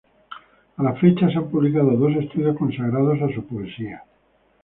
A la fecha se han publicado dos estudios consagrados a su poesía.